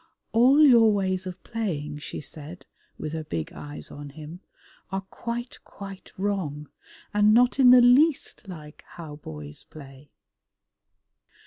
"All your ways of playing," she said with her big eyes on him, "are quite, quite wrong, and not in the least like how boys play!"